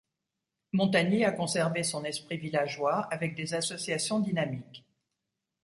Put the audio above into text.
Montagny a conservé son esprit villageois, avec des associations dynamiques.